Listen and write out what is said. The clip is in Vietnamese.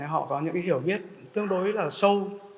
họ có những hiểu biết tương đối là sâu